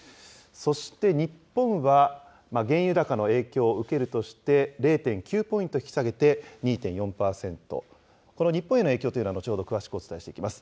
そして、日本は原油高の影響を受けるとして０．９ポイント引き下げて、２．４％、この日本への影響というのは、後ほど詳しくお伝えしていきます。